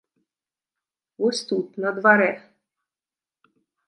Вось тут, на дварэ!